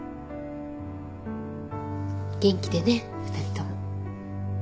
元気でね２人とも。